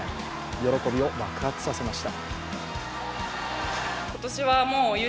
喜びを爆発させました。